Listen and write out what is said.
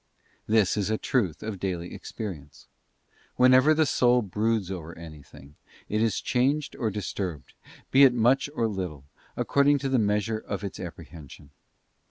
This is a truth of daily experience: whenever the soul broods over anything, it is changed or disturbed, be it much or little, according to the measure of its apprehension.